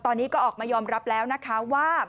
ตอนนี้ก็ออกมายอมรับแล้วนะคะว่า